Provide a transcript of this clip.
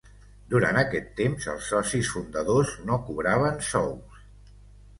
Durant aquest temps, els socis fundadors no cobraven sous.